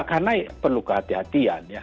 karena perlu kehatian hatian ya